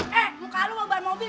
eh muka lo beban mobil